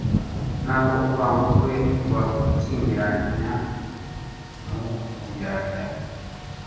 N’aho urwango rwe rwakwikingiranya mu buryarya